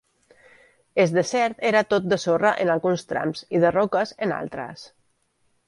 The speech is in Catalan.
Es desert era tot de sorra en alguns trams i de roques en altres.